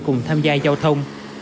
cùng tham gia giao thông